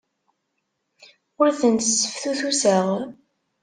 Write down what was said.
Ur ten-sseftutuseɣ.